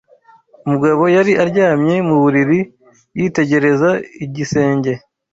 Mugabo yari aryamye mu buriri, yitegereza igisenge.